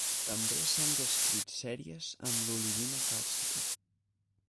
També s'han descrit sèries amb l'olivina càlcica.